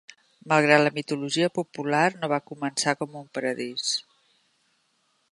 Malgrat la mitologia popular, no va començar com un paradís.